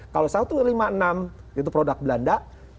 kalau satu ratus lima puluh enam itu produk belanda